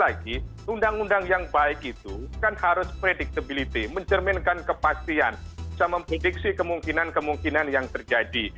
lagi undang undang yang baik itu kan harus predictability mencerminkan kepastian bisa memprediksi kemungkinan kemungkinan yang terjadi